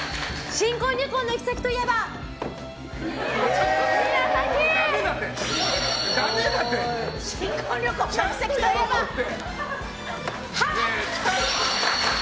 新婚旅行の行き先といえばハワイ！